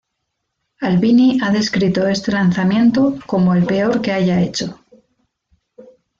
Albini ha descrito este lanzamiento como "el peor que haya hecho".